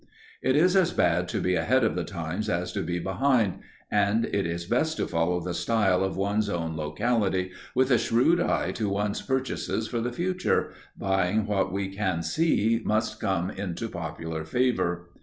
It is as bad to be ahead of the times as to be behind, and it is best to follow the style of one's own locality, with a shrewd eye to one's purchases for the future, buying what we can see must come into popular favour.